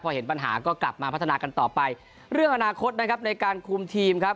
พอเห็นปัญหาก็กลับมาพัฒนากันต่อไปเรื่องอนาคตนะครับในการคุมทีมครับ